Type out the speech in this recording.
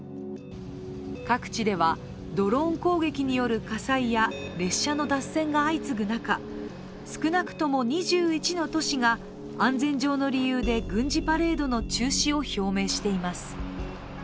各地では、ドローン攻撃による火災や列車の脱線が相次ぐ中少なくとも２１の都市が安全上の理由で軍事パレードの中止を表明しています。